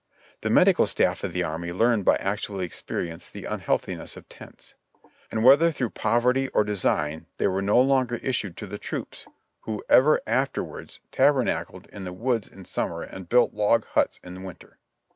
The medical staff of the army learned by actual experience the unhealthiness of tents; and whether through poverty or de sign, they were no longer issued to the troops, who ever after wards tabernacled in the woods in summer and built log huts in winter.